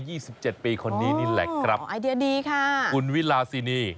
ี่สิบเจ็ดปีคนนี้นี่แหละครับไอเดียดีค่ะคุณวิลาซินี